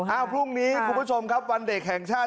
พรุ่งนี้คุณผู้ชมครับวันเด็กแห่งชาติ